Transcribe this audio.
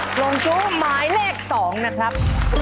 กล่องจู้หมายเลข๒นะครับ